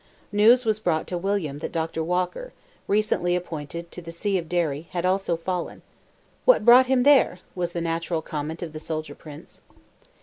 News was brought to William, that Dr. Walker—recently appointed to the See of Derry—had also fallen, "What brought him there?" was the natural comment of the soldier prince.